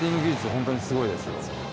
本当にすごいですよ。